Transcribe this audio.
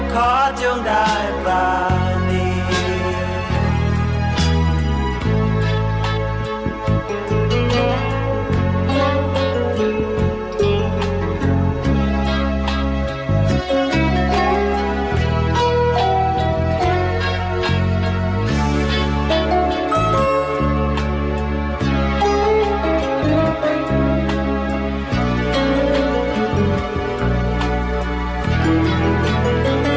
ขอจงได้บรรณี